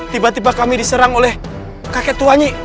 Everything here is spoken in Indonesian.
tiba tiba kami diserang oleh kakek tua nyik